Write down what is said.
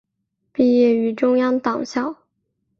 毕业于中央党校。